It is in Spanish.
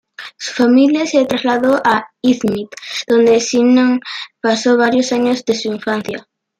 Su familia se trasladó a İzmit, donde Sinan pasó varios años de su infancia.